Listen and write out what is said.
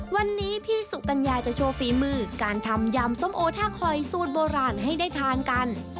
วันนี้พี่สุกัญญาจะโชว์ฝีมือการทำยำส้มโอท่าคอยสูตรโบราณให้ได้ทานกัน